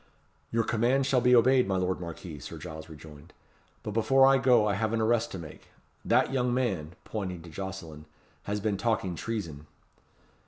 "Your commands shall be obeyed, my lord Marquis," Sir Giles rejoined; "but before I go I have an arrest to make. That young man," pointing to Jocelyn, "has been talking treason."